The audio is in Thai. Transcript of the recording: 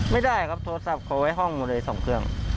ไม่ได้ครับโทรศัพท์คนไว้ห้องในโรยสองเครื่อง